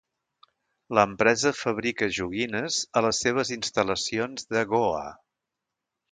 L'empresa fabrica joguines a les seves instal·lacions de Goa.